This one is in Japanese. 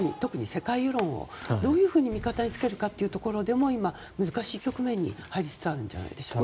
世界世論をどう味方につけるかというので今、難しい局面に入りつつあるんじゃないでしょうか。